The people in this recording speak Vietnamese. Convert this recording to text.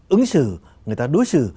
ứng xử người ta đối xử